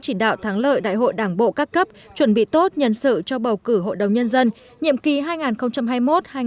chỉ đạo thắng lợi đại hội đảng bộ các cấp chuẩn bị tốt nhân sự cho bầu cử hội đồng nhân dân nhiệm kỳ hai nghìn hai mươi một hai nghìn hai mươi một